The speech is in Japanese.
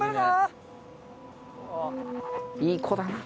いい子だな。